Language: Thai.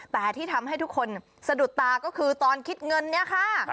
แต่ที่ทำให้ทุกคนสะดุดตาก็คือตอนคิดเงินเนี่ยค่ะ